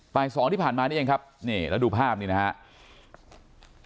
สองที่ผ่านมานี่เองครับนี่แล้วดูภาพนี้นะครับ